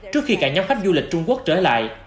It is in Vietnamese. trước khi cả nhóm khách du lịch trung quốc trở lại